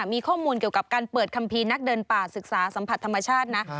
มีข้อมูลเกี่ยวกับการเปิดคัมภีร์นักเดินป่าศึกษาสัมผัสธรรมชาตินะ